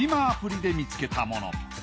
アプリで見つけたもの。